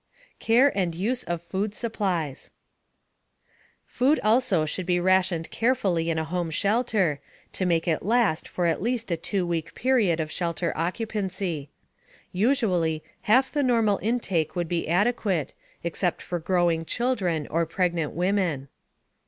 CARE AND USE OF FOOD SUPPLIES Food also should be rationed carefully in a home shelter, to make it last for at least a 2 week period of shelter occupancy. Usually, half the normal intake would be adequate, except for growing children or pregnant women.